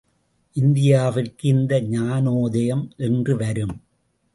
இந்தியாவிற்கு இந்த ஞானோதயம் என்று வரும்!